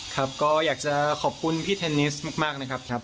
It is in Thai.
ครับก็อยากจะขอบคุณพี่เทนนิสมากนะครับ